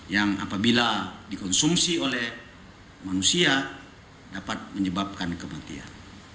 yang apabila dikonsumsi oleh manusia dapat menyebabkan kematian